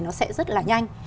nó sẽ rất là nhanh